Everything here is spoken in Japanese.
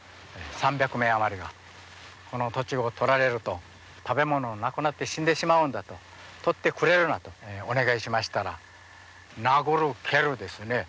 ３００名余りが、この土地を取られると、食べ物がなくなって死んでしまうんだと、取ってくれるなとお願いしましたら、殴る蹴るですね